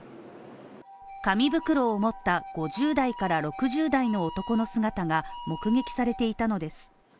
紙袋を持った５０代から６０代の男の姿が目撃されていたのです。